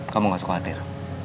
kamu gak suka khawatir